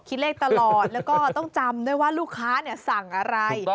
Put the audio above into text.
คิดเลขตลอดแล้วก็ต้องจำด้วยว่าลูกค้าสั่งอะไร